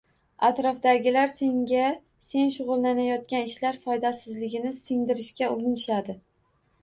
Atrofdagilar senga sen shug‘ullanayotgan ishlar foydasizligini singdirishga urinishadi.